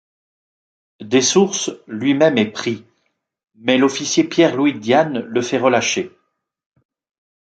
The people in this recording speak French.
Dessources, lui-même est pris, mais l'officier Pierre-Louis Diane le fait relâcher.